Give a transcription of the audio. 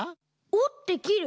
おってきる？